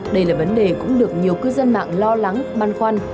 đây là vấn đề cũng được nhiều cư dân mạng lo lắng băn khoăn